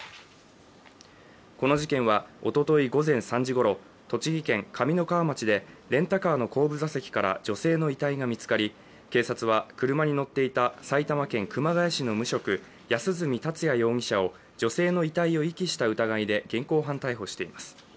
この事件はおととい午前３時ごろ栃木県上三川町でレンタカーの後部座席から女性の遺体が見つかり警察は車に乗っていた埼玉県熊谷市の無職、安栖達也容疑者を女性の遺体を遺棄した疑いで現行犯逮捕しています。